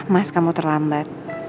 mas kamu terlambat